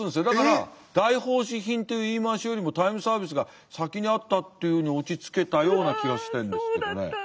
だから大奉仕品という言い回しよりもタイムサービスが先にあったっていうふうに落ち着けたような気がしてるんですけどね。